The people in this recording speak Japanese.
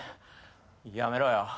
やめろよ。